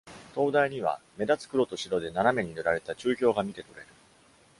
灯台には、目立つ黒と白で斜めに塗られた昼標が見て取れる。